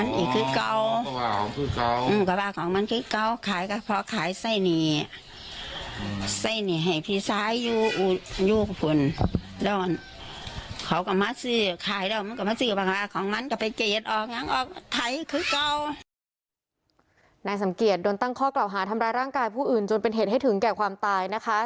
นายสมเกียจโดนตั้งข้อกล่าวหาทำร้ายร่างกายผู้อื่นจนเป็นเหตุให้ถึงแก่ความตายนะคะ